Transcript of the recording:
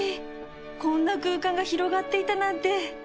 こんな空間が広がっていたなんて